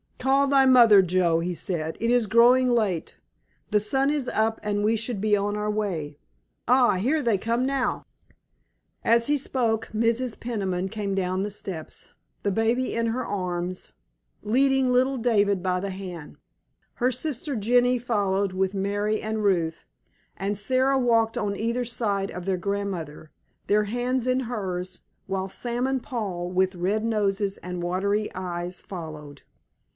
"Call thy mother, Joe," he said; "it is growing late, the sun is up, and we should be on our way. Ah, here they come now!" As he spoke Mrs. Peniman came down the steps, the baby in her arms, leading little David by the hand. Her sister Jenny followed with Mary, and Ruth and Sara walked on either side of their grandmother, their hands in hers, while Sam and Paul, with red noses and watery eyes, followed.